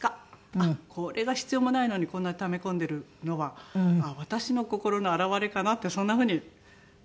あっこれが必要もないのにこんなにため込んでいるのは私の心の表れかなってそんな風に感じたんですね。